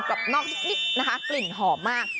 กลับนอกนิดคลิ่นหอมมาก